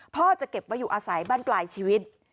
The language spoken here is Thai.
พ่อจะเก็บไว้อยู่อาศัยบ้านปลายชีวิต